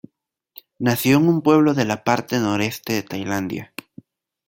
Nació en un pueblo de la parte noreste de Tailandia.